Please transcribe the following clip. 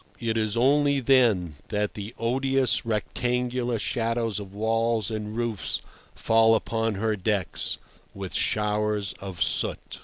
It is only then that the odious, rectangular shadows of walls and roofs fall upon her decks, with showers of soot.